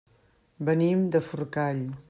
Venim de Forcall.